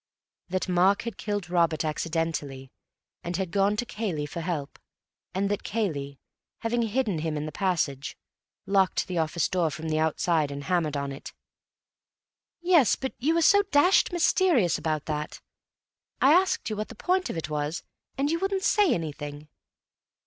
"That Mark had killed Robert accidentally and had gone to Cayley for help, and that Cayley, having hidden him in the passage, locked the office door from the outside and hammered on it." "Yes, but you were so dashed mysterious about that. I asked you what the point of it was, and you wouldn't say anything."